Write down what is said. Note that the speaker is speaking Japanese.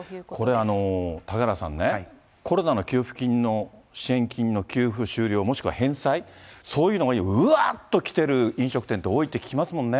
これ、嵩原さんね、コロナの給付金、支援金の給付終了、もしくは返済、そういうのがうわっときてる飲食店って多いって聞きますもんね。